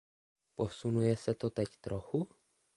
Posunuje se to teď trochu?